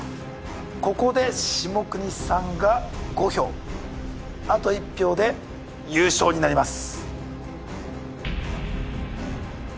ここで下國さんが５票あと１票で優勝になります